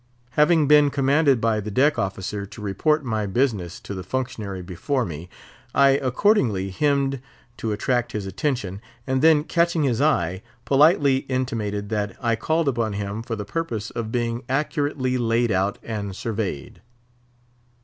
Having been commanded by the deck officer to report my business to the functionary before me, I accordingly hemmed, to attract his attention, and then catching his eye, politely intimated that I called upon him for the purpose of being accurately laid out and surveyed.